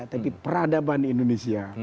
tapi peradaban indonesia